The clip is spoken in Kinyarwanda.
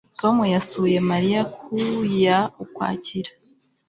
Tom yasuye Mariya ku ya Ukwakira